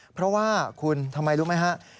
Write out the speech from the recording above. เพราะว่าคุณทำไมรู้ไหมฮะ